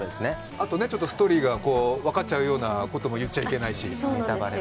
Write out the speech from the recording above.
あと、ストーリーが分かっちゃうようなことも言っちゃいけないし。